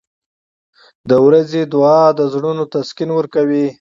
• د ورځې دعا د زړونو تسکین ورکوي.